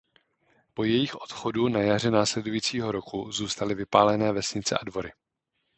Po jejich odchodu na jaře následujícího roku zůstaly vypálené vesnice a dvory.